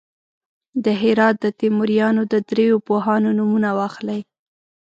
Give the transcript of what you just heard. د هرات د تیموریانو د دریو پوهانو نومونه واخلئ.